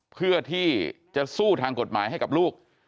เพื่อที่จะสู้ทางกฎหมายให้กับลูก